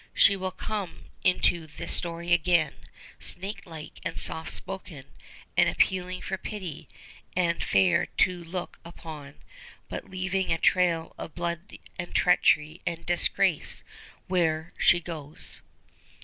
She will come into this story again, snakelike and soft spoken, and appealing for pity, and fair to look upon, but leaving a trail of blood and treachery and disgrace where she goes.